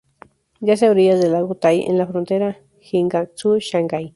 Yace a orillas del lago Tai en la frontera Jiangsu-Shanghái.